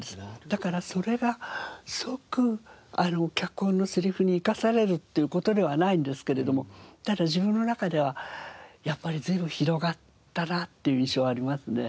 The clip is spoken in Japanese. だからそれが即脚本のせりふに生かされるっていう事ではないんですけれどもただ自分の中ではやっぱり随分広がったなっていう印象はありますね。